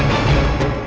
aku sudah mencari